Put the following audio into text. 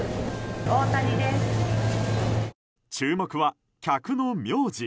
注目は、客の名字。